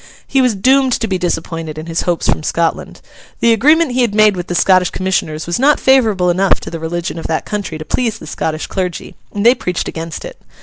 He was doomed to be disappointed in his hopes from Scotland. The agreement he had made with the Scottish Commissioners was not favourable enough to the religion of that country to please the Scottish clergy; and they preached against it.